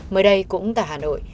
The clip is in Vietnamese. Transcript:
mới đây cũng tại hà nội